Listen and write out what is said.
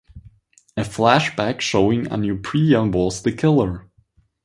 A flashback showing Anupriya was the killer.